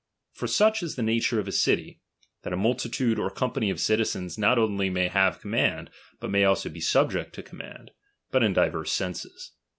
For such is the nature of a city, that a multitude or company of citizens not only may have command, but may also be subject to command ; but in diverse senses.